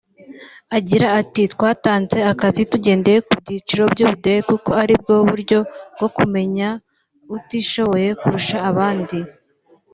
Agira ati“Twatanze akazi tugendeye ku byiciro by’ubudehe kuko aribwo buryo bwo kumenya utishoboye kurusha abandi